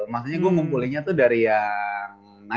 makanya gue ngumpulinnya tuh dari yang